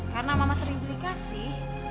karena mama sering beli kasih